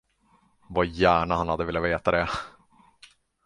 Vad han gärna hade velat veta det!